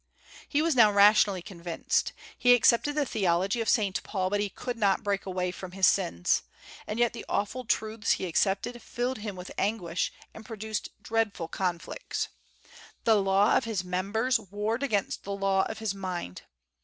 He was now "rationally convinced." He accepted the theology of Saint Paul; but he could not break away from his sins. And yet the awful truths he accepted filled him with anguish, and produced dreadful conflicts. The law of his members warred against the law of his mind.